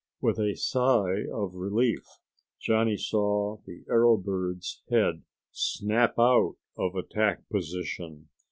With a sigh of relief, Johnny saw the arrow bird's head snap out of attack position.